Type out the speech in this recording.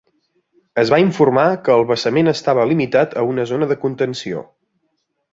Es va informar que el vessament estava limitat a una zona de contenció.